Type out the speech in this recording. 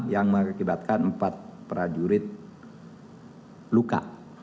yang mengakibatkan empat prajurit luka